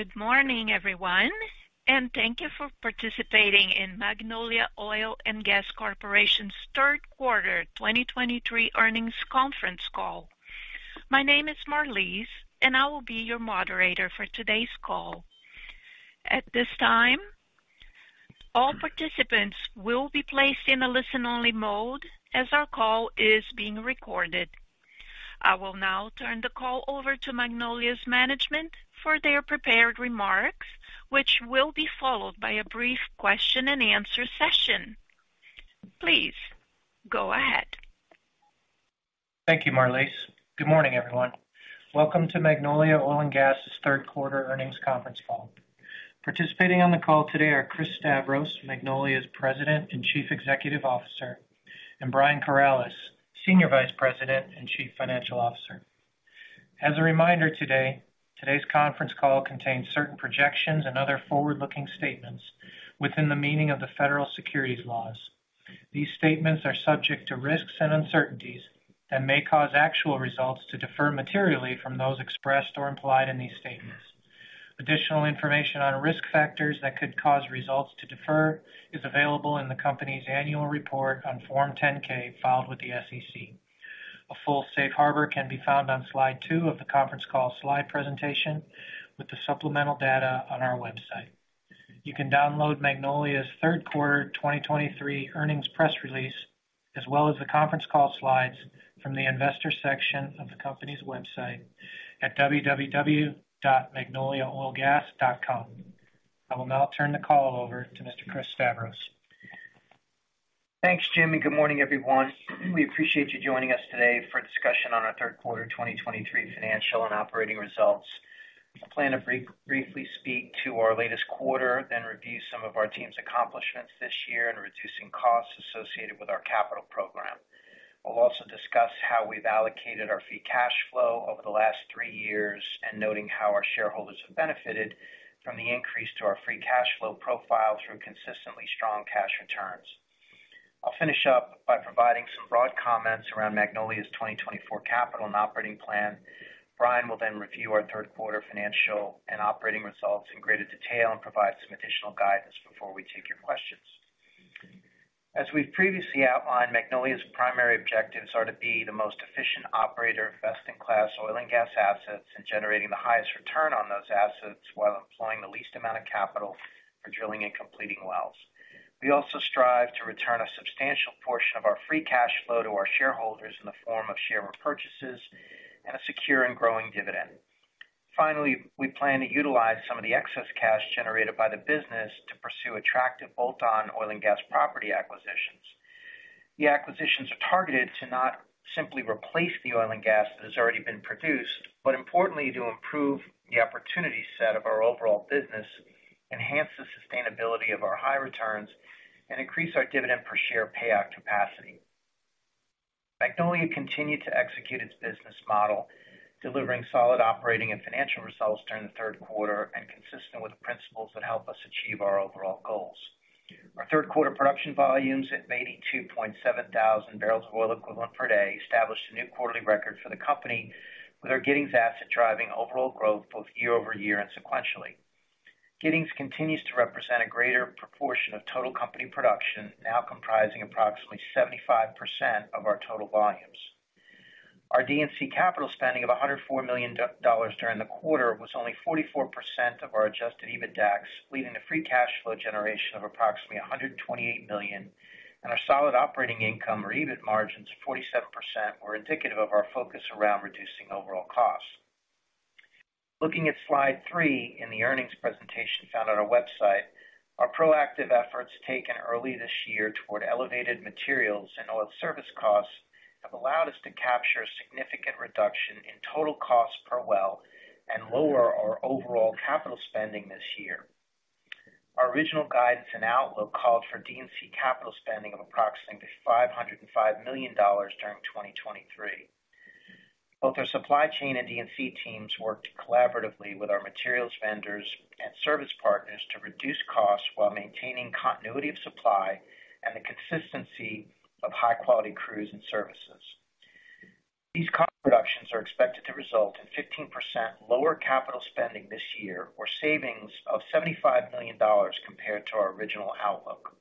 Good morning, everyone, and thank you for participating in Magnolia Oil & Gas Corporation's third quarter 2023 earnings conference call. My name is Marlise, and I will be your moderator for today's call. At this time, all participants will be placed in a listen-only mode as our call is being recorded. I will now turn the call over to Magnolia's management for their prepared remarks, which will be followed by a brief question and answer session. Please, go ahead. Thank you, Marlise. Good morning, everyone. Welcome to Magnolia Oil & Gas's third quarter earnings conference call. Participating on the call today are Chris Stavros, Magnolia's President and Chief Executive Officer, and Brian Corales, Senior Vice President and Chief Financial Officer. As a reminder today, today's conference call contains certain projections and other forward-looking statements within the meaning of the federal securities laws. These statements are subject to risks and uncertainties that may cause actual results to differ materially from those expressed or implied in these statements. Additional information on risk factors that could cause results to differ is available in the company's annual report on Form 10-K, filed with the SEC. A full safe harbor can be found on slide 2 of the conference call slide presentation with the supplemental data on our website. You can download Magnolia's third quarter 2023 earnings press release, as well as the conference call slides from the investor section of the company's website at www.magnoliaoilgas.com. I will now turn the call over to Mr. Chris Stavros. Thanks, Jimmy. Good morning, everyone. We appreciate you joining us today for a discussion on our third quarter 2023 financial and operating results. I plan to briefly speak to our latest quarter, then review some of our team's accomplishments this year in reducing costs associated with our capital program. We'll also discuss how we've allocated our free cash flow over the last three years and noting how our shareholders have benefited from the increase to our free cash flow profile through consistently strong cash returns. I'll finish up by providing some broad comments around Magnolia's 2024 capital and operating plan. Brian will then review our third quarter financial and operating results in greater detail and provide some additional guidance before we take your questions. As we've previously outlined, Magnolia's primary objectives are to be the most efficient operator of best-in-class oil and gas assets, and generating the highest return on those assets, while employing the least amount of capital for drilling and completing wells. We also strive to return a substantial portion of our free cash flow to our shareholders in the form of share repurchases and a secure and growing dividend. Finally, we plan to utilize some of the excess cash generated by the business to pursue attractive bolt-on oil and gas property acquisitions. The acquisitions are targeted to not simply replace the oil and gas that has already been produced, but importantly, to improve the opportunity set of our overall business, enhance the sustainability of our high returns, and increase our dividend per share payout capacity. Magnolia continued to execute its business model, delivering solid operating and financial results during the third quarter, and consistent with the principles that help us achieve our overall goals. Our third quarter production volumes at 82.7 thousand barrels of oil equivalent per day, established a new quarterly record for the company, with our Giddings asset driving overall growth both year-over-year and sequentially. Giddings continues to represent a greater proportion of total company production, now comprising approximately 75% of our total volumes. Our D&C capital spending of $104 million during the quarter was only 44% of our adjusted EBITDAX, leading to free cash flow generation of approximately $128 million, and our solid operating income or EBIT margins, 47%, were indicative of our focus around reducing overall costs. Looking at Slide 3 in the earnings presentation found on our website, our proactive efforts taken early this year toward elevated materials and oil service costs have allowed us to capture a significant reduction in total costs per well and lower our overall capital spending this year. Our original guidance and outlook called for D&C capital spending of approximately $505 million during 2023. Both our supply chain and D&C teams worked collaboratively with our materials vendors and service partners to reduce costs while maintaining continuity of supply and the consistency of high-quality crews and services. These cost reductions are expected to result in 15% lower capital spending this year, or savings of $75 million compared to our original outlook.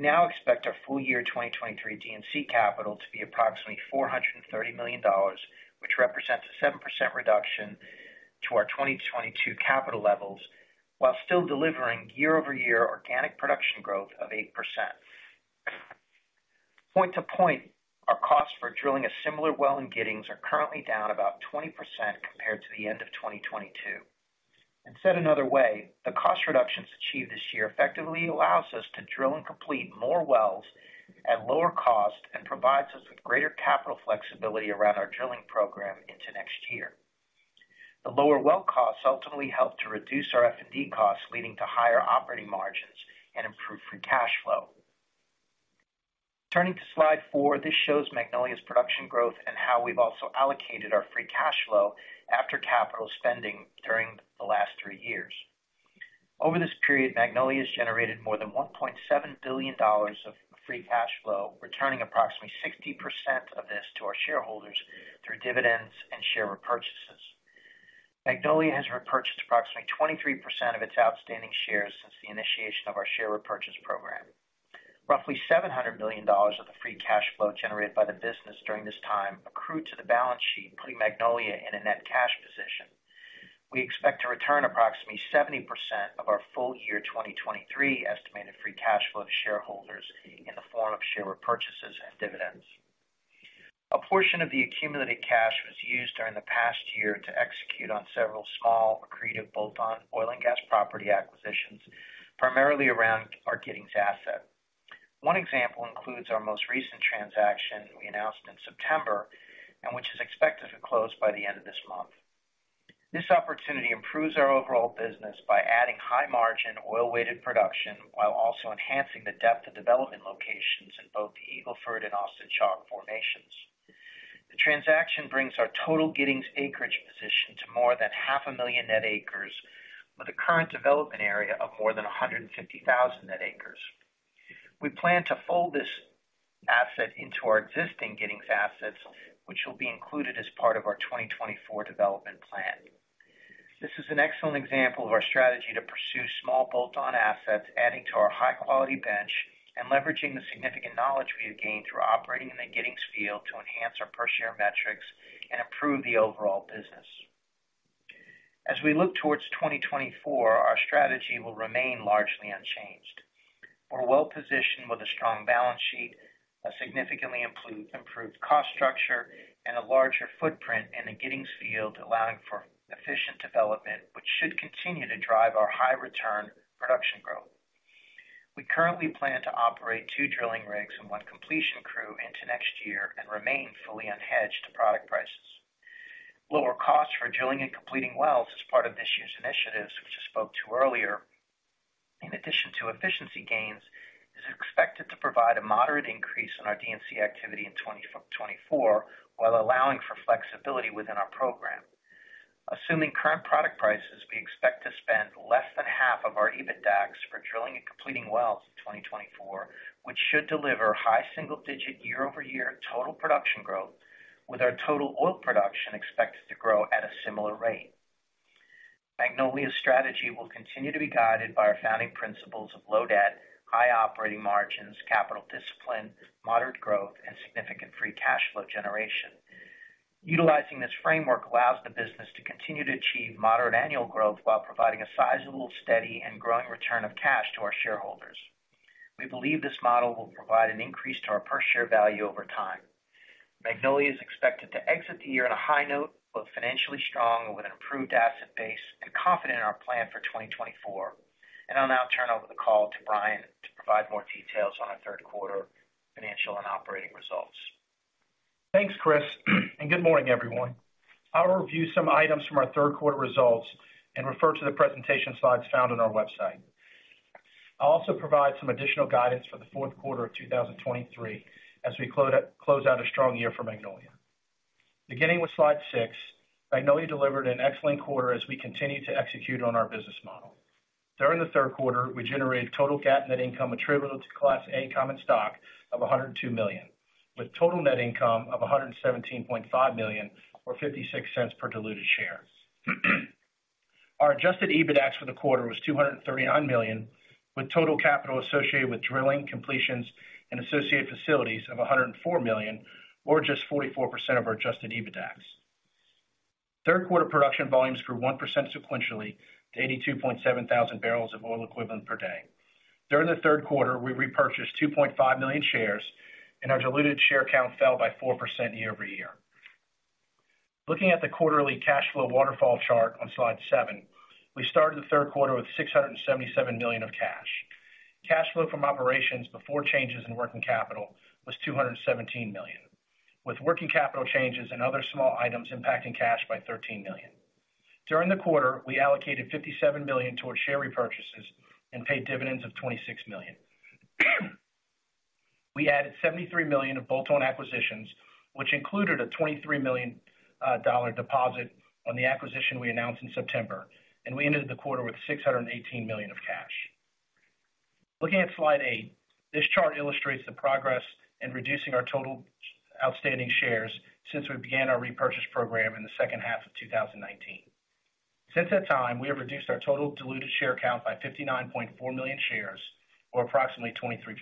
We now expect our full year 2023 D&C capital to be approximately $430 million, which represents a 7% reduction to our 2022 capital levels, while still delivering year-over-year organic production growth of 8%. Point to point, our costs for drilling a similar well in Giddings are currently down about 20% compared to the end of 2022. Said another way, the cost reductions achieved this year effectively allows us to drill and complete more wells at lower cost and provides us with greater capital flexibility around our drilling program into next year. The lower well costs ultimately help to reduce our F&D costs, leading to higher operating margins and improve free cash flow. Turning to slide 4, this shows Magnolia's production growth and how we've also allocated our free cash flow after capital spending during the last three years. Over this period, Magnolia has generated more than $1.7 billion of free cash flow, returning approximately 60% of this to our shareholders through dividends and share repurchases. Magnolia has repurchased approximately 23% of its outstanding shares since the initiation of our share repurchase program. Roughly $700 million of the free cash flow generated by the business during this time accrued to the balance sheet, putting Magnolia in a net cash position. We expect to return approximately 70% of our full year 2023 estimated free cash flow to shareholders in the form of share repurchases and dividends. A portion of the accumulated cash was used during the past year to execute on several small, accretive, bolt-on oil and gas property acquisitions, primarily around our Giddings asset. One example includes our most recent transaction we announced in September, and which is expected to close by the end of this month. This opportunity improves our overall business by adding high-margin, oil-weighted production, while also enhancing the depth of development locations in both the Eagle Ford and Austin Chalk formations. The transaction brings our total Giddings acreage position to more than 500,000 net acres, with a current development area of more than 150,000 net acres. We plan to fold this asset into our existing Giddings assets, which will be included as part of our 2024 development plan. This is an excellent example of our strategy to pursue small bolt-on assets, adding to our high-quality bench and leveraging the significant knowledge we have gained through operating in the Giddings field to enhance our per-share metrics and improve the overall business. As we look towards 2024, our strategy will remain largely unchanged. We're well positioned with a strong balance sheet, a significantly improved cost structure, and a larger footprint in the Giddings field, allowing for efficient development, which should continue to drive our high return production growth. We currently plan to operate two drilling rigs and one completion crew into next year and remain fully unhedged to product prices. Lower costs for drilling and completing wells is part of this year's initiatives, which I spoke to earlier. In addition to efficiency gains, is expected to provide a moderate increase in our D&C activity in 2024, while allowing for flexibility within our program. Assuming current product prices, we expect to spend less than half of our EBITDAX for drilling and completing wells in 2024, which should deliver high single-digit year-over-year total production growth, with our total oil production expected to grow at a similar rate. Magnolia's strategy will continue to be guided by our founding principles of low debt, high operating margins, capital discipline, moderate growth, and significant free cash flow generation. Utilizing this framework allows the business to continue to achieve moderate annual growth while providing a sizable, steady, and growing return of cash to our shareholders. We believe this model will provide an increase to our per-share value over time. Magnolia is expected to exit the year on a high note, both financially strong and with an improved asset base, and confident in our plan for 2024. I'll now turn over the call to Brian to provide more details on our third quarter financial and operating results. Thanks, Chris, and good morning, everyone. I'll review some items from our third quarter results and refer to the presentation slides found on our website. I'll also provide some additional guidance for the fourth quarter of 2023 as we close out a strong year for Magnolia. Beginning with slide 6, Magnolia delivered an excellent quarter as we continued to execute on our business model. During the third quarter, we generated total GAAP net income attributable to Class A common stock of $102 million, with total net income of $117.5 million, or $0.56 per diluted share. Our Adjusted EBITDAX for the quarter was $239 million, with total capital associated with drilling, completions, and associated facilities of $104 million, or just 44% of our Adjusted EBITDAX. Third quarter production volumes grew 1% sequentially to 82.7 thousand barrels of oil equivalent per day. During the third quarter, we repurchased 2.5 million shares, and our diluted share count fell by 4% year-over-year. Looking at the quarterly cash flow waterfall chart on slide seven, we started the third quarter with $677 million of cash. Cash flow from operations before changes in working capital was $217 million, with working capital changes and other small items impacting cash by $13 million. During the quarter, we allocated $57 million towards share repurchases and paid dividends of $26 million. We added $73 million of bolt-on acquisitions, which included a $23 million dollar deposit on the acquisition we announced in September, and we ended the quarter with $618 million of cash. Looking at slide 8, this chart illustrates the progress in reducing our total outstanding shares since we began our repurchase program in the second half of 2019. Since that time, we have reduced our total diluted share count by 59.4 million shares or approximately 23%.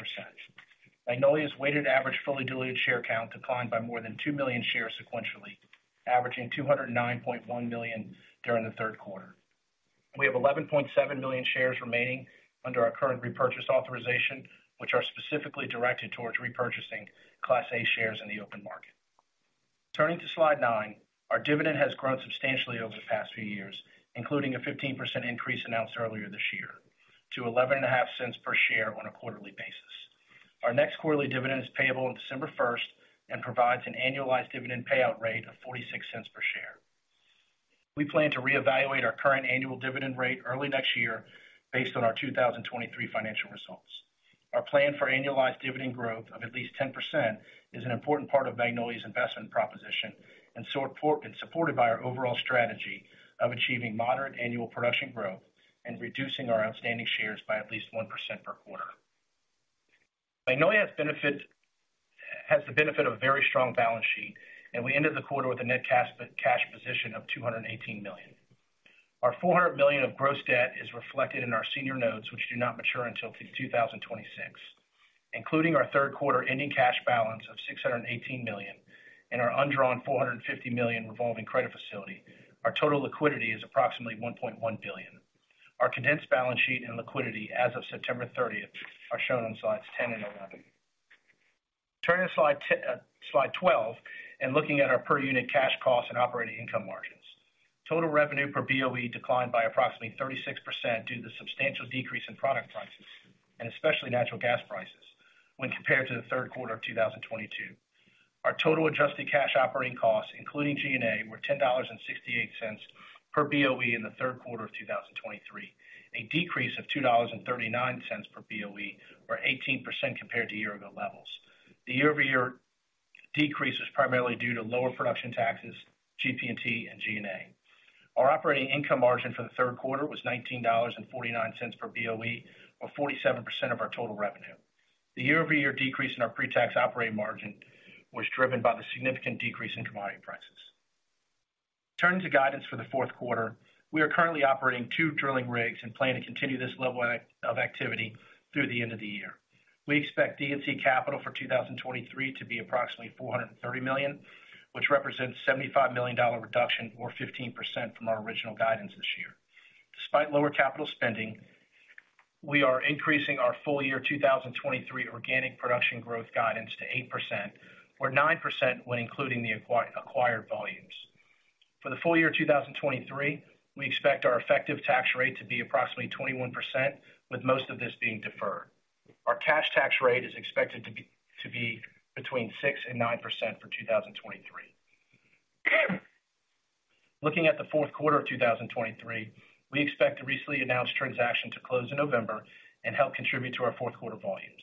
Magnolia's weighted average fully diluted share count declined by more than 2 million shares sequentially, averaging 209.1 million during the third quarter. We have 11.7 million shares remaining under our current repurchase authorization, which are specifically directed towards repurchasing Class A shares in the open market. Turning to slide 9, our dividend has grown substantially over the past few years, including a 15% increase announced earlier this year, to $0.115 per share on a quarterly basis. Our next quarterly dividend is payable on December 1st and provides an annualized dividend payout rate of $0.46 per share. We plan to reevaluate our current annual dividend rate early next year based on our 2023 financial results.... Our plan for annualized dividend growth of at least 10% is an important part of Magnolia's investment proposition and supported by our overall strategy of achieving moderate annual production growth and reducing our outstanding shares by at least 1% per quarter. Magnolia has the benefit of a very strong balance sheet, and we ended the quarter with a net cash position of $218 million. Our $400 million of gross debt is reflected in our senior notes, which do not mature until 2026. Including our third quarter ending cash balance of $618 million and our undrawn $450 million revolving credit facility, our total liquidity is approximately $1.1 billion. Our condensed balance sheet and liquidity as of September 30 are shown on slides 10 and 11. Turning to slide twelve, and looking at our per unit cash costs and operating income margins. Total revenue per BOE declined by approximately 36% due to the substantial decrease in product prices, and especially natural gas prices when compared to the third quarter of 2022. Our total adjusted cash operating costs, including G&A, were $10.68 per BOE in the third quarter of 2023, a decrease of $2.39 per BOE, or 18% compared to year-ago levels. The year-over-year decrease was primarily due to lower production taxes, GP&T and G&A. Our operating income margin for the third quarter was $19.49 per BOE, or 47% of our total revenue. The year-over-year decrease in our pretax operating margin was driven by the significant decrease in commodity prices. Turning to guidance for the fourth quarter. We are currently operating two drilling rigs and plan to continue this level of activity through the end of the year. We expect D&C capital for 2023 to be approximately $430 million, which represents $75 million reduction or 15% from our original guidance this year. Despite lower capital spending, we are increasing our full year 2023 organic production growth guidance to 8% or 9% when including the acquired volumes. For the full year 2023, we expect our effective tax rate to be approximately 21%, with most of this being deferred. Our cash tax rate is expected to be between 6% and 9% for 2023. Looking at the fourth quarter of 2023, we expect the recently announced transaction to close in November and help contribute to our fourth quarter volumes.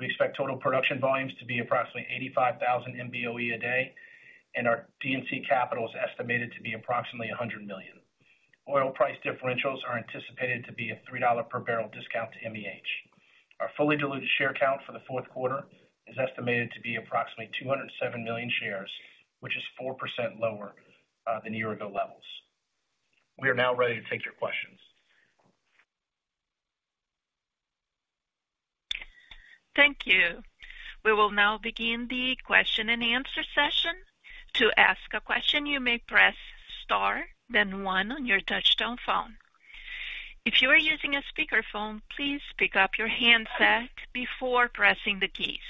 We expect total production volumes to be approximately 85,000 BOE a day, and our D&C capital is estimated to be approximately $100 million. Oil price differentials are anticipated to be a $3 per barrel discount to MEH. Our fully diluted share count for the fourth quarter is estimated to be approximately 207 million shares, which is 4% lower than year-ago levels. We are now ready to take your questions. Thank you. We will now begin the question-and-answer session. To ask a question, you may press star, then one on your touchtone phone. If you are using a speakerphone, please pick up your handset before pressing the keys.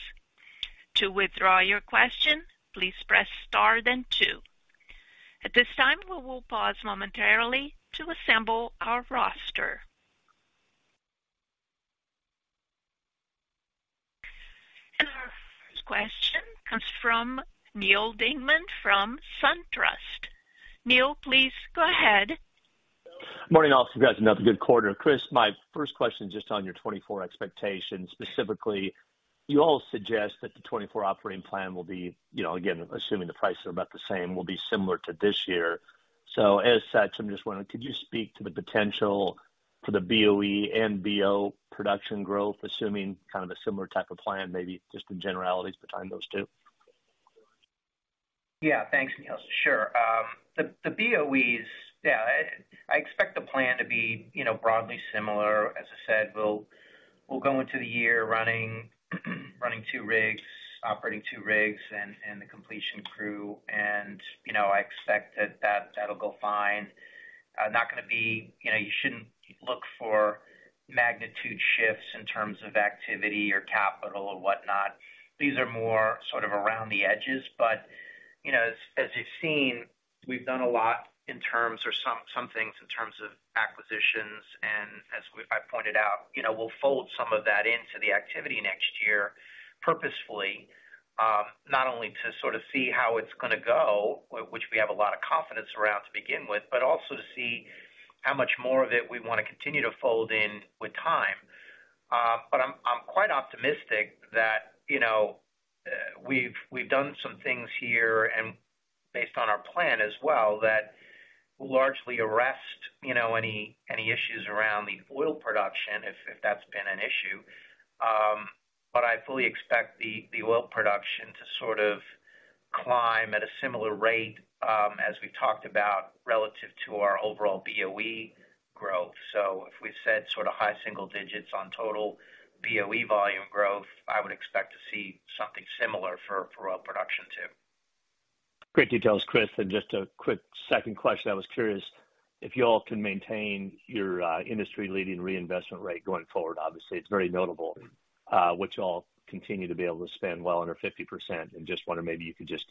To withdraw your question, please press star, then two. At this time, we will pause momentarily to assemble our roster. Our first question comes from Neal Dingmann from SunTrust. Neal, please go ahead. Morning, all. Congrats on another good quarter. Chris, my first question, just on your 2024 expectations. Specifically, you all suggest that the 2024 operating plan will be, you know, again, assuming the prices are about the same, will be similar to this year. So as such, I'm just wondering, could you speak to the potential for the BOE and BO production growth, assuming kind of a similar type of plan, maybe just in generalities between those two? Yeah. Thanks, Neal. Sure. The BOEs, yeah, I expect the plan to be, you know, broadly similar. As I said, we'll go into the year running two rigs, operating two rigs and the completion crew. And, you know, I expect that'll go fine. Not gonna be... You know, you shouldn't look for magnitude shifts in terms of activity or capital or whatnot. These are more sort of around the edges. But, you know, as you've seen, we've done a lot in terms of some things in terms of acquisitions. As I pointed out, you know, we'll fold some of that into the activity next year purposefully, not only to sort of see how it's gonna go, which we have a lot of confidence around to begin with, but also to see how much more of it we want to continue to fold in with time. But I'm quite optimistic that, you know, we've done some things here and based on our plan as well, that will largely arrest, you know, any issues around the oil production, if that's been an issue. But I fully expect the oil production to sort of climb at a similar rate, as we talked about relative to our overall BOE growth. So if we said sort of high single digits on total BOE volume growth, I would expect to see something similar for oil production too. Great details, Chris. Just a quick second question. I was curious if you all can maintain your, industry-leading reinvestment rate going forward. Obviously, it's very notable, which you all continue to be able to spend well under 50% and just wonder maybe you could just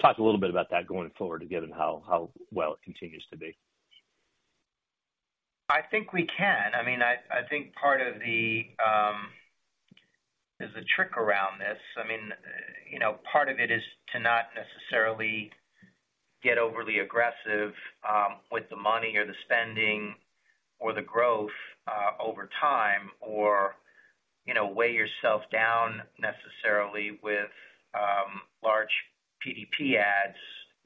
talk a little bit about that going forward, given how well it continues to be. I think we can. I mean, I think part of the, there's a trick around this. I mean, you know, part of it is to not necessarily...... get overly aggressive with the money or the spending or the growth over time, or, you know, weigh yourself down necessarily with large PDP adds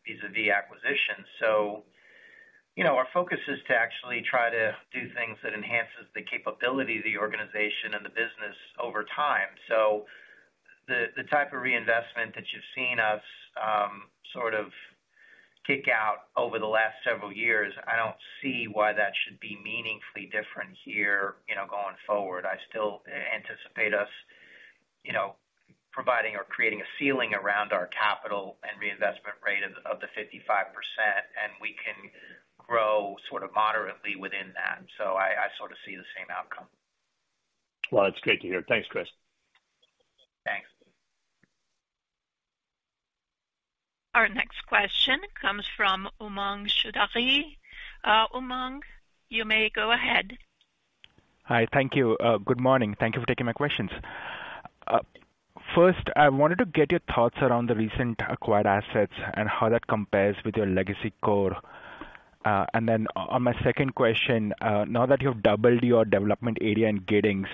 vis-à-vis acquisitions. So, you know, our focus is to actually try to do things that enhances the capability of the organization and the business over time. So the type of reinvestment that you've seen us sort of kick out over the last several years, I don't see why that should be meaningfully different here, you know, going forward. I still anticipate us, you know, providing or creating a ceiling around our capital and reinvestment rate of the 55%, and we can grow sort of moderately within that. So I sort of see the same outcome. Well, it's great to hear. Thanks, Chris. Thanks. Our next question comes from Umang Choudhary. Umang, you may go ahead. Hi, thank you. Good morning. Thank you for taking my questions. First, I wanted to get your thoughts around the recent acquired assets and how that compares with your legacy core. And then on my second question, now that you've doubled your development area in Giddings,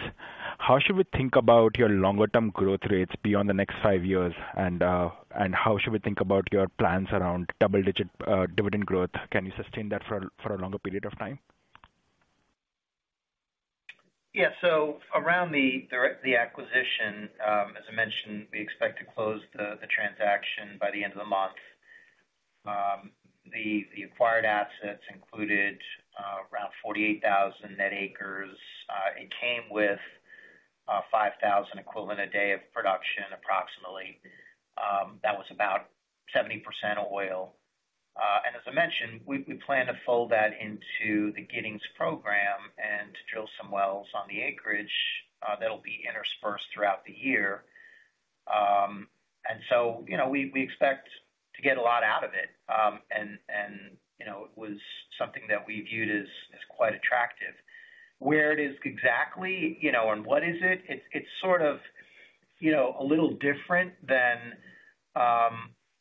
how should we think about your longer-term growth rates beyond the next five years? And how should we think about your plans around double-digit dividend growth? Can you sustain that for a longer period of time? Yeah. So around the acquisition, as I mentioned, we expect to close the transaction by the end of the month. The acquired assets included around 48,000 net acres. It came with 5,000 equivalent a day of production, approximately. That was about 70% oil. And as I mentioned, we plan to fold that into the Giddings program and drill some wells on the acreage, that'll be interspersed throughout the year. And so, you know, we expect to get a lot out of it. And, you know, it was something that we viewed as quite attractive. Where it is exactly, you know, and what is it? It's sort of, you know, a little different than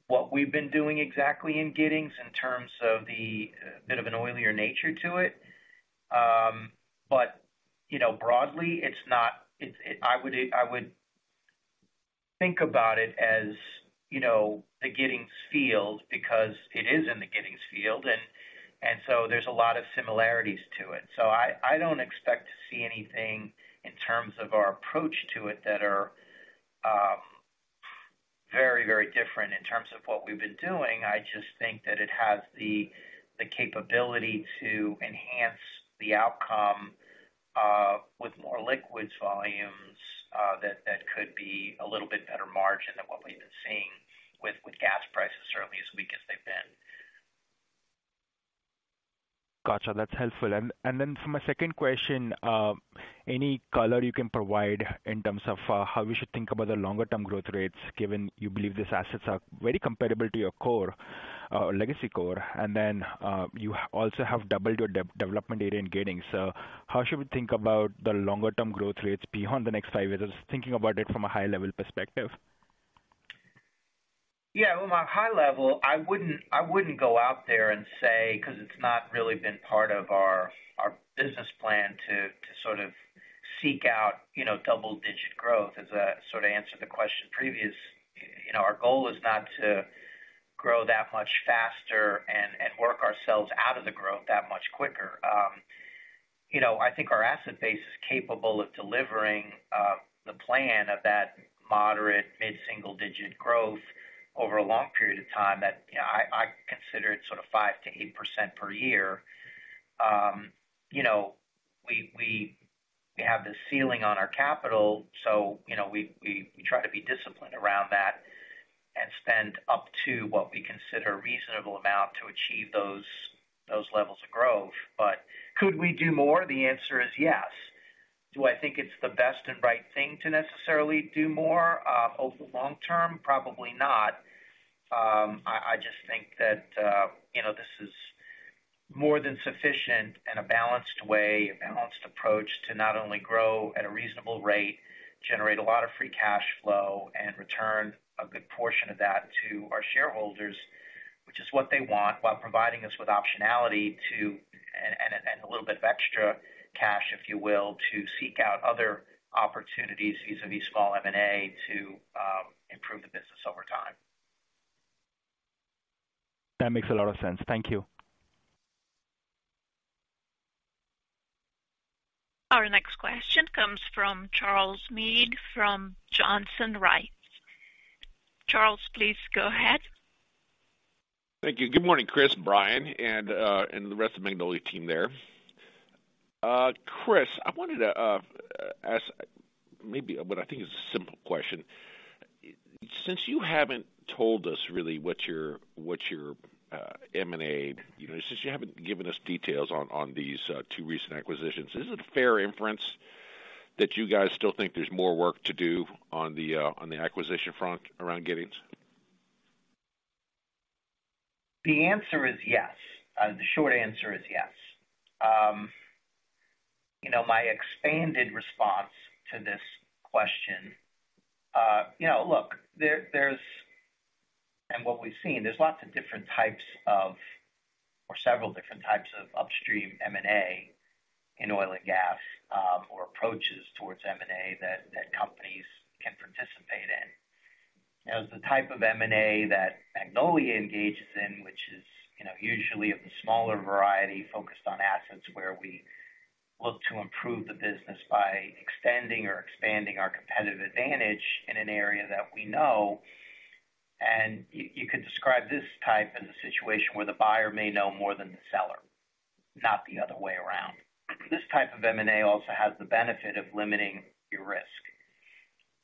what we've been doing exactly in Giddings in terms of the bit of an oilier nature to it. But, you know, broadly, it's not-- it, I would think about it as, you know, the Giddings field because it is in the Giddings field, and so there's a lot of similarities to it. So I don't expect to see anything in terms of our approach to it that are very, very different in terms of what we've been doing. I just think that it has the capability to enhance the outcome with more liquids volumes that could be a little bit better margin than what we've been seeing with gas prices, certainly as weak as they've been. Gotcha, that's helpful. And then for my second question, any color you can provide in terms of how we should think about the longer-term growth rates, given you believe these assets are very comparable to your core, legacy core, and then you also have doubled your development area in Giddings. So how should we think about the longer-term growth rates beyond the next five years? Just thinking about it from a high-level perspective. Yeah. Well, my high level, I wouldn't, I wouldn't go out there and say, because it's not really been part of our, our business plan to, to sort of seek out, you know, double-digit growth. As I sort of answered the question previous, you know, our goal is not to grow that much faster and, and work ourselves out of the growth that much quicker. You know, I think our asset base is capable of delivering the plan of that moderate mid-single digit growth over a long period of time that, you know, I, I consider it sort of 5%-8% per year. You know, we, we, we have this ceiling on our capital, so, you know, we, we, we try to be disciplined around that and spend up to what we consider a reasonable amount to achieve those, those levels of growth. But could we do more? The answer is yes. Do I think it's the best and right thing to necessarily do more over long term? Probably not. I just think that, you know, this is more than sufficient and a balanced way, a balanced approach to not only grow at a reasonable rate, generate a lot of free cash flow, and return a good portion of that to our shareholders, which is what they want, while providing us with optionality to... and a little bit of extra cash, if you will, to seek out other opportunities vis-à-vis small M&A, to improve the business over time. That makes a lot of sense. Thank you. Our next question comes from Charles Meade, from Johnson Rice. Charles, please go ahead. Thank you. Good morning, Chris, Brian, and the rest of the Magnolia team there. Chris, I wanted to ask maybe what I think is a simple question. Since you haven't told us really what your M&A, you know, since you haven't given us details on these two recent acquisitions, is it a fair inference that you guys still think there's more work to do on the acquisition front around Giddings? The answer is yes. The short answer is yes. You know, my expanded response to this question. You know, look, what we've seen, there's lots of different types of, or several different types of upstream M&A in oil and gas, or approaches towards M&A that companies can participate in. Now, the type of M&A that Magnolia engages in, which is, you know, usually of the smaller variety, focused on assets where we look to improve the business by extending or expanding our competitive advantage in an area that we know. And you could describe this type as a situation where the buyer may know more than the seller, not the other way around. This type of M&A also has the benefit of limiting your risk.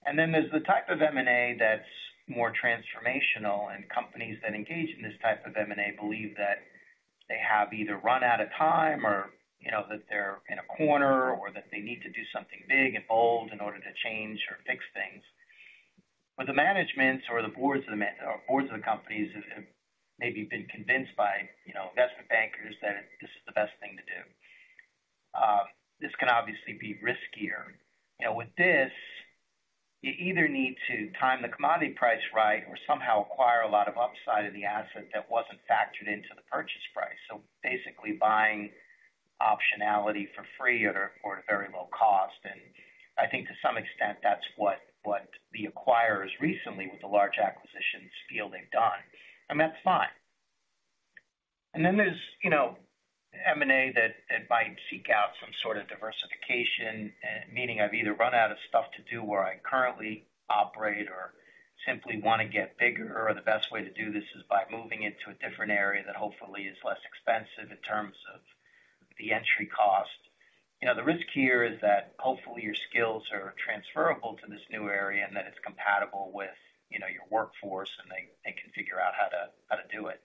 And then there's the type of M&A that's more transformational, and companies that engage in this type of M&A believe that they have either run out of time or, you know, that they're in a corner, or that they need to do something big and bold in order to change or fix things. But the managements or the boards of the companies have maybe been convinced by, you know, investment bankers that this is the best thing to do. This can obviously be riskier. You know, with this, you either need to time the commodity price right or somehow acquire a lot of upside of the asset that wasn't factored into the purchase price. So basically, buying optionality for free or at a very low cost. I think to some extent, that's what the acquirers recently, with the large acquisitions deal they've done, and that's fine. Then there's, you know, M&A that might seek out some sort of diversification, meaning I've either run out of stuff to do where I currently operate or simply want to get bigger, or the best way to do this is by moving into a different area that hopefully is less expensive in terms of the entry cost. You know, the risk here is that hopefully your skills are transferable to this new area and that it's compatible with, you know, your workforce, and they can figure out how to do it.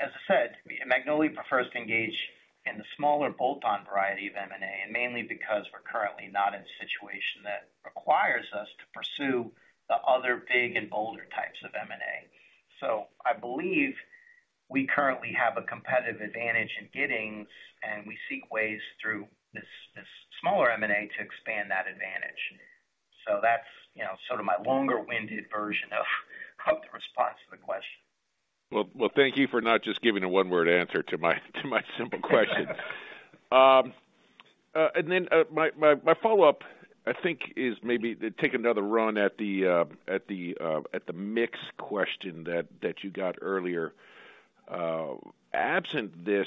As I said, Magnolia prefers to engage in the smaller bolt-on variety of M&A, and mainly because we're currently not in a situation that requires us to pursue the other big and bolder types of M&A. So I believe we currently have a competitive advantage in Giddings, and we seek ways through this, this smaller M&A to expand that advantage. So that's, you know, sort of my longer-winded version of, of the response to the question. Well, well, thank you for not just giving a one-word answer to my simple question. And then, my follow-up, I think, is maybe to take another run at the mix question that you got earlier. Absent this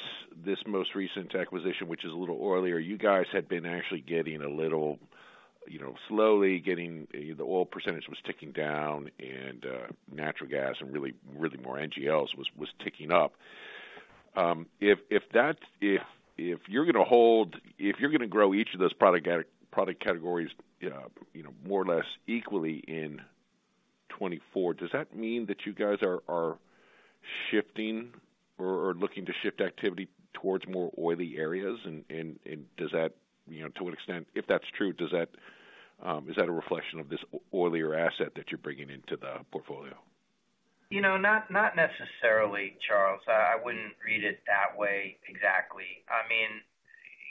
most recent acquisition, which is a little oilier, you guys had been actually getting a little, you know, slowly getting... the oil percentage was ticking down, and natural gas and really more NGLs was ticking up. If that—if you're gonna grow each of those product categories, you know, more or less equally in 2024, does that mean that you guys are shifting or looking to shift activity towards more oily areas? Does that, you know, to what extent, if that's true, does that is that a reflection of this oilier asset that you're bringing into the portfolio? You know, not necessarily, Charles. I wouldn't read it that way exactly. I mean,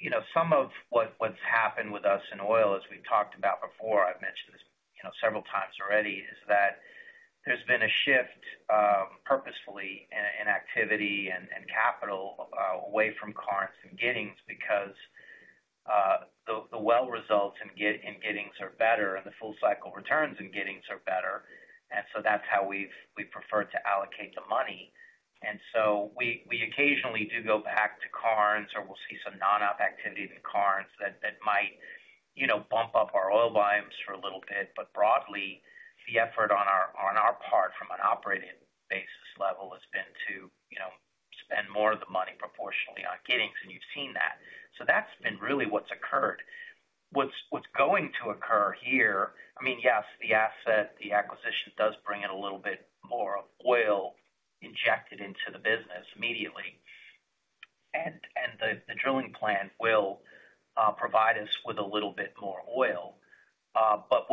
you know, some of what's happened with us in oil, as we've talked about before, I've mentioned this, you know, several times already, is that there's been a shift purposefully in activity and capital away from Karnes and Giddings because the well results in Giddings are better, and the full cycle returns in Giddings are better, and so that's how we prefer to allocate the money. And so we occasionally do go back to Karnes, or we'll see some non-op activity in Karnes that might, you know, bump up our oil volumes for a little bit. But broadly, the effort on our part from an operating basis level has been to, you know, spend more of the money proportionally on Giddings, and you've seen that. So that's been really what's occurred. What's going to occur here, I mean, yes, the asset, the acquisition does bring in a little bit more oil injected into the business immediately. And the drilling plan will provide us with a little bit more oil. But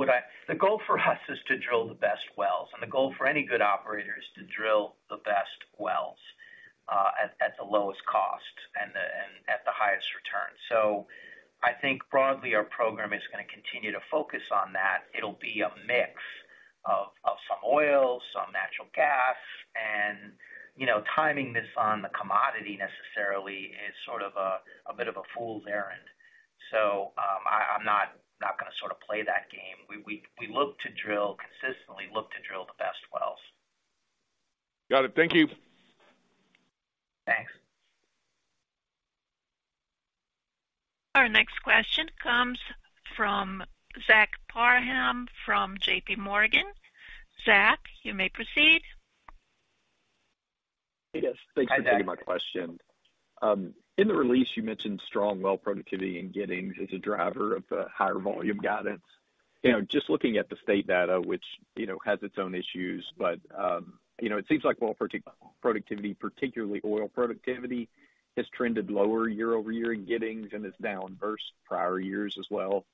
the goal for us is to drill the best wells, and the goal for any good operator is to drill the best wells at the lowest cost and at the highest return. So I think broadly, our program is gonna continue to focus on that. It'll be a mix of some oil, some natural gas, and, you know, timing this on the commodity necessarily is sort of a bit of a fool's errand. So, I'm not gonna sort of play that game. We look to drill consistently, look to drill the best wells. Got it. Thank you. Thanks. Our next question comes from Zach Parham from JPMorgan. Zach, you may proceed. Hey, guys. Hi, Zach. Thanks for taking my question. In the release, you mentioned strong well productivity in Giddings as a driver of higher volume guidance. You know, just looking at the state data, which, you know, has its own issues, but, you know, it seems like well productivity, particularly oil productivity, has trended lower year-over-year in Giddings and is down versus prior years as well.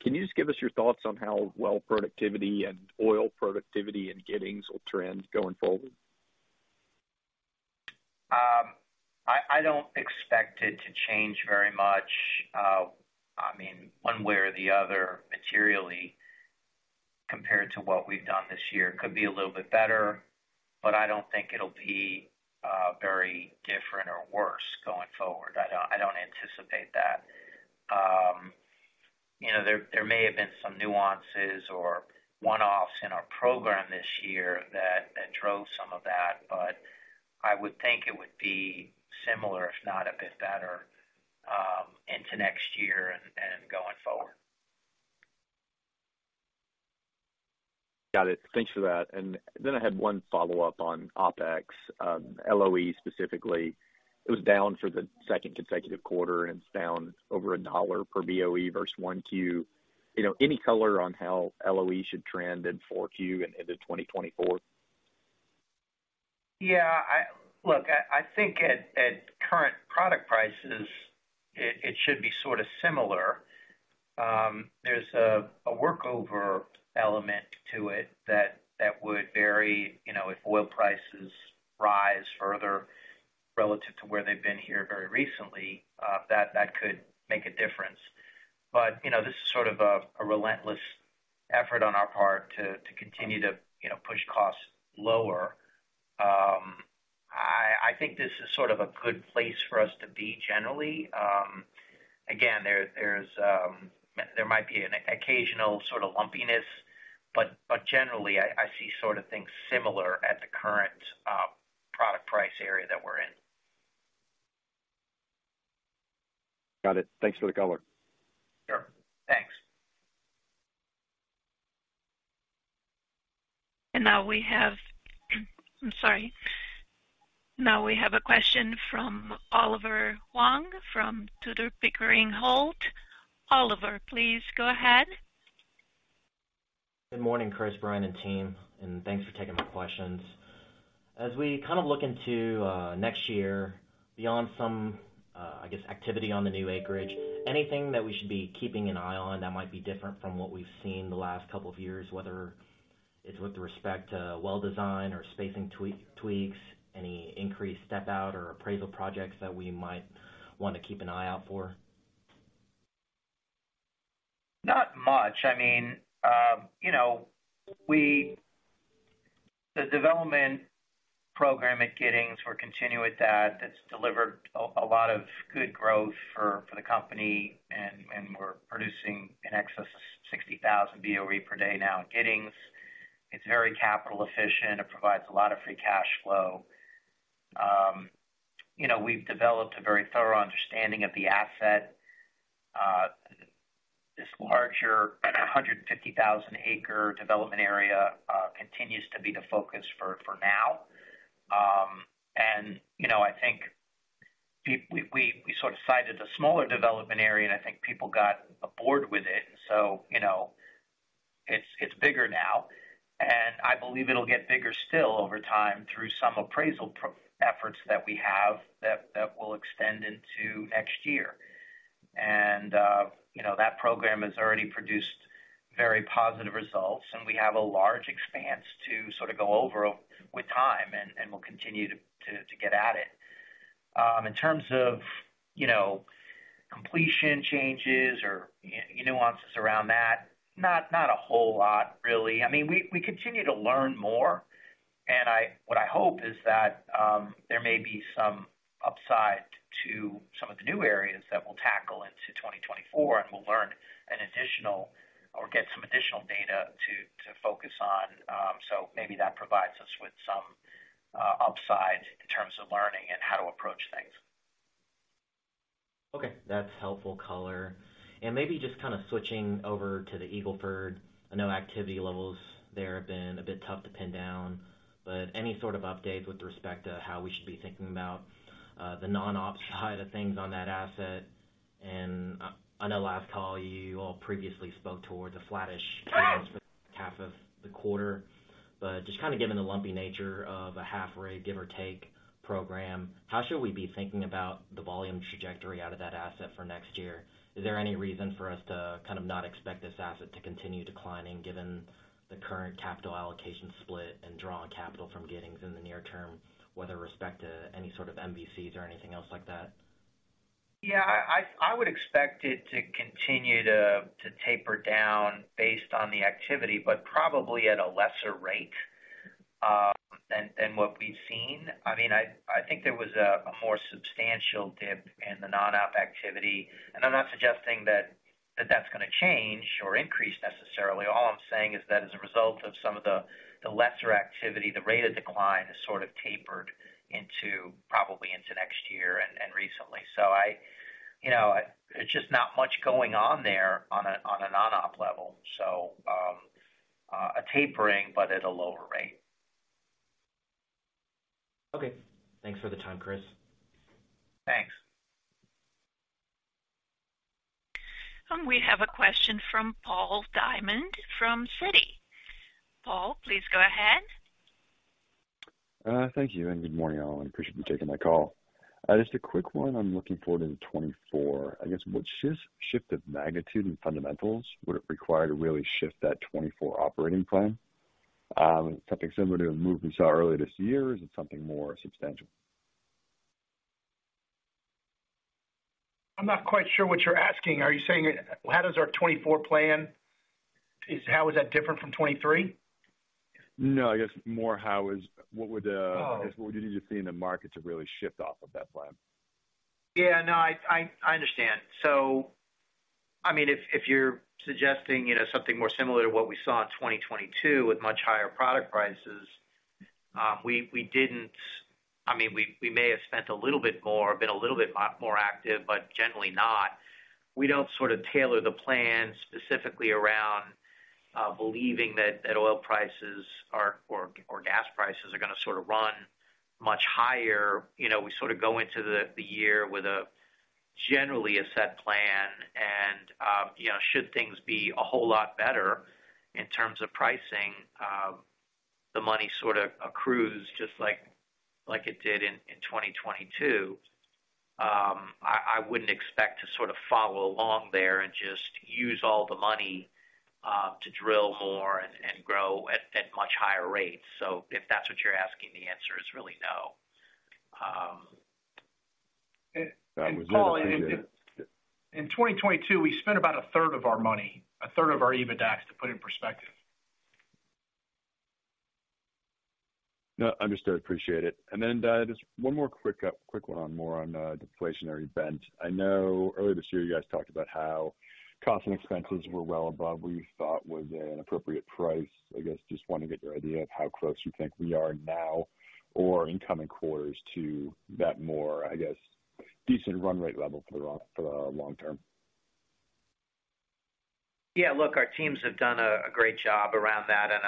Can you just give us your thoughts on how well productivity and oil productivity in Giddings will trend going forward?... expected to change very much, I mean, one way or the other, materially, compared to what we've done this year. Could be a little bit better, but I don't think it'll be very different or worse going forward. I don't anticipate that. You know, there may have been some nuances or one-offs in our program this year that drove some of that, but I would think it would be similar, if not a bit better, into next year and going forward. Got it. Thanks for that. Then I had one follow-up on OpEx, LOE specifically. It was down for the second consecutive quarter, and it's down over $1 per BOE versus 1Q. You know, any color on how LOE should trend in 4Q and into 2024? Yeah, look, I think at current product prices, it should be sort of similar. There's a workover element to it that would vary, you know, if oil prices rise further relative to where they've been here very recently, that could make a difference. But, you know, this is sort of a relentless effort on our part to continue to, you know, push costs lower. I think this is sort of a good place for us to be, generally. Again, there might be an occasional sort of lumpiness, but generally I see sort of things similar at the current product price area that we're in. Got it. Thanks for the color. Sure. Thanks. And now we have. I'm sorry. Now we have a question from Oliver Huang, from Tudor, Pickering, Holt. Oliver, please go ahead. Good morning, Chris, Brian, and team, and thanks for taking my questions. As we kind of look into next year, beyond some I guess, activity on the new acreage, anything that we should be keeping an eye on that might be different from what we've seen the last couple of years, whether it's with respect to well design or spacing tweaks, any increased step-out or appraisal projects that we might want to keep an eye out for? Not much. I mean, you know, The development program at Giddings, we're continuing with that. It's delivered a lot of good growth for the company, and we're producing in excess of 60,000 BOE per day now at Giddings. It's very capital efficient. It provides a lot of free cash flow. You know, we've developed a very thorough understanding of the asset. This larger, 150,000-acre development area continues to be the focus for now. And, you know, I think we sort of cited the smaller development area, and I think people got aboard with it. So, you know, it's bigger now, and I believe it'll get bigger still over time through some appraisal efforts that we have, that will extend into next year. You know, that program has already produced very positive results, and we have a large expanse to sort of go over with time, and we'll continue to get at it. In terms of, you know, completion changes or, you know, nuances around that, not a whole lot, really. I mean, we continue to learn more, and what I hope is that there may be some upside to some of the new areas that we'll tackle into 2024, and we'll learn an additional or get some additional data to focus on. So maybe that provides us with some upside in terms of learning and how to approach things. Okay, that's helpful color. And maybe just kind of switching over to the Eagle Ford. I know activity levels there have been a bit tough to pin down, but any sort of updates with respect to how we should be thinking about the non-op side of things on that asset? And I know last call you all previously spoke towards a flattish half of the quarter, but just kind of given the lumpy nature of a half rig, give or take, program, how should we be thinking about the volume trajectory out of that asset for next year? Is there any reason for us to kind of not expect this asset to continue declining, given the current capital allocation split and drawing capital from Giddings in the near term, with respect to any sort of MVCs or anything else like that? Yeah, I would expect it to continue to taper down based on the activity, but probably at a lesser rate than what we've seen. I mean, I think there was a more substantial dip in the non-op activity, and I'm not suggesting that that's gonna change or increase necessarily. All I'm saying is that as a result of some of the lesser activity, the rate of decline has sort of tapered into probably into next year and recently. So I... You know, there's just not much going on there on a non-op level, so a tapering, but at a lower rate. Okay. Thanks for the time, Chris. Thanks. We have a question from Paul Diamond, from Citi. Paul, please go ahead. Thank you, and good morning, all. I appreciate you taking my call. Just a quick one. I'm looking forward to 2024. I guess, what shift of magnitude and fundamentals would it require to really shift that 2024 operating plan? Something similar to a move we saw earlier this year, is it something more substantial? I'm not quite sure what you're asking. Are you saying, how does our 2024 plan, how is that different from 2023? No, I guess more, how is—what would the- Oh. I guess, what would you need to see in the market to really shift off of that plan? Yeah, no, I understand. So, I mean, if you're suggesting, you know, something more similar to what we saw in 2022 with much higher product prices, we didn't—I mean, we may have spent a little bit more, been a little bit more active, but generally not. We don't sort of tailor the plan specifically around believing that oil prices are, or gas prices are gonna sort of run much higher. You know, we sort of go into the year with generally a set plan, and, you know, should things be a whole lot better in terms of pricing, the money sort of accrues, just like it did in 2022. I wouldn't expect to sort of follow along there and just use all the money to drill more and grow at much higher rates. So if that's what you're asking, the answer is really no. That was it. Appreciate it. Paul, in 2022, we spent about a third of our money, a third of our EBITDA, to put in perspective. No, understood. Appreciate it. And then, just one more quick, quick one on more on, the deflationary bent. I know earlier this year, you guys talked about how costs and expenses were well above what you thought was an appropriate price. I guess, just want to get your idea of how close you think we are now or in coming quarters to that more, I guess, decent run rate level for the long—for the long term. Yeah, look, our teams have done a great job around that, and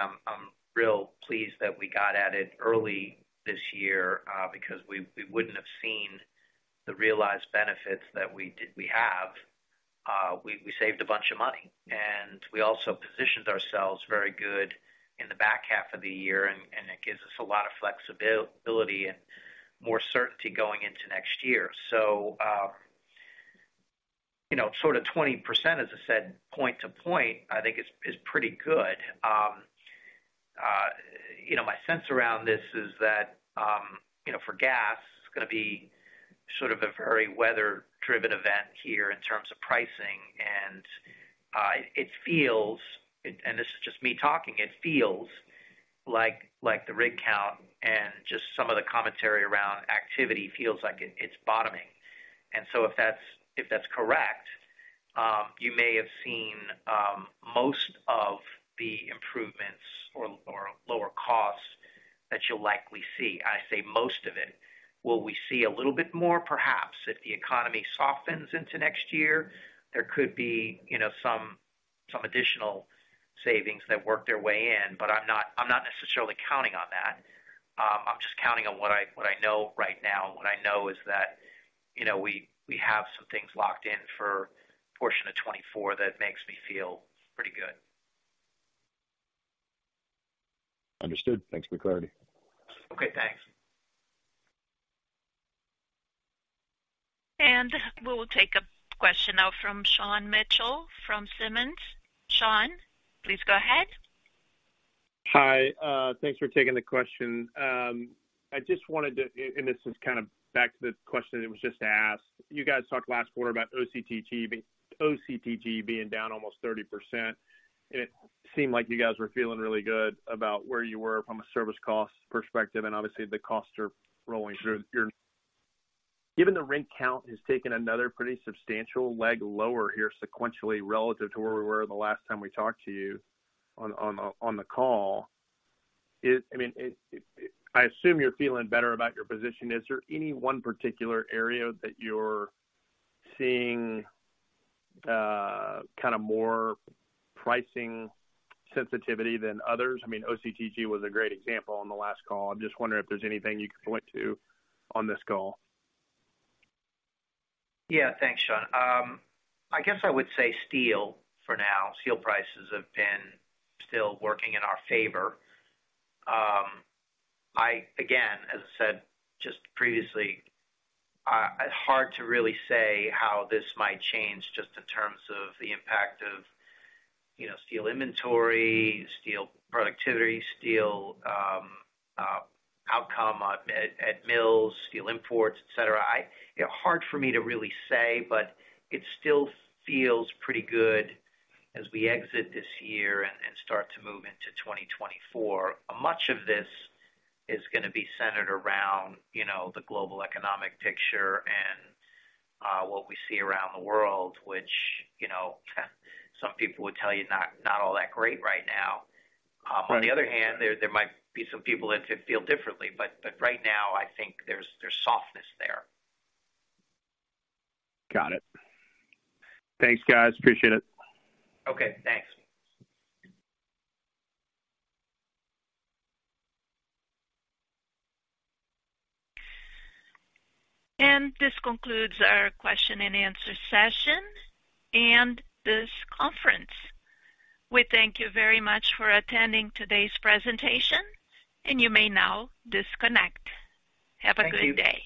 I'm real pleased that we got at it early this year, because we wouldn't have seen the realized benefits that we did—we have. We saved a bunch of money, and we also positioned ourselves very good in the back half of the year, and it gives us a lot of flexibility and more certainty going into next year. So, you know, sort of 20%, as I said, point to point, I think is pretty good. You know, my sense around this is that, you know, for gas, it's gonna be sort of a very weather-driven event here in terms of pricing, and it feels... and this is just me talking. It feels like the rig count and just some of the commentary around activity feels like it's bottoming. And so if that's correct, you may have seen most of the improvements or lower costs that you'll likely see. I say most of it. Will we see a little bit more? Perhaps. If the economy softens into next year, there could be, you know, some additional savings that work their way in, but I'm not necessarily counting on that. I'm just counting on what I know right now, and what I know is that, you know, we have some things locked in for a portion of 2024 that makes me feel pretty good. Understood. Thanks for the clarity. Okay, thanks. We will take a question now from Sean Mitchell, from Simmons. Sean, please go ahead. Hi, thanks for taking the question. I just wanted to and this is kind of back to the question that was just asked. You guys talked last quarter about OCTG, OCTG being down almost 30%. It seemed like you guys were feeling really good about where you were from a service cost perspective, and obviously, the costs are rolling through. Given the rig count has taken another pretty substantial leg lower here, sequentially relative to where we were the last time we talked to you on the call. I mean, I assume you're feeling better about your position. Is there any one particular area that you're seeing kind of more pricing sensitivity than others? I mean, OCTG was a great example on the last call. I'm just wondering if there's anything you can point to on this call. Yeah. Thanks, Sean. I guess I would say steel for now. Steel prices have been still working in our favor. Again, as I said just previously, it's hard to really say how this might change just in terms of the impact of, you know, steel inventory, steel productivity, steel outcome at mills, steel imports, et cetera. You know, hard for me to really say, but it still feels pretty good as we exit this year and start to move into 2024. Much of this is gonna be centered around, you know, the global economic picture and what we see around the world, which, you know, some people would tell you, not, not all that great right now. On the other hand, there might be some people that feel differently, but right now I think there's softness there. Got it. Thanks, guys. Appreciate it. Okay, thanks. This concludes our question and answer session and this conference. We thank you very much for attending today's presentation, and you may now disconnect. Thank you. Have a good day.